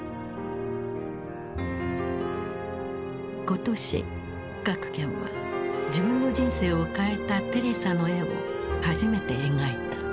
今年郭健は自分の人生を変えたテレサの絵を初めて描いた。